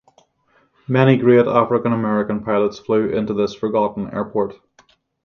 Many great African-American pilots flew into this forgotten airport.